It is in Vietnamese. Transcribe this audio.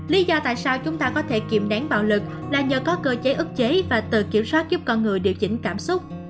lý do tại sao chúng ta có thể kiểm đáng bạo lực là nhờ có cơ chế ức chế và tự kiểm soát giúp con người điều chỉnh cảm xúc